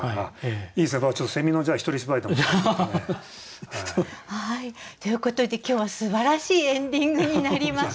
いいですねちょっとの一人芝居でも。ということで今日はすばらしいエンディングになりました。